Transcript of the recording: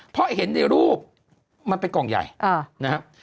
เพราะเห็นในรูปมันเป็นกล่องใหญ่นะครับ